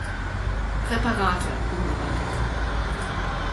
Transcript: Präparate" umgewandelt.